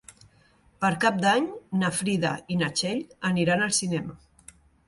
Per Cap d'Any na Frida i na Txell aniran al cinema.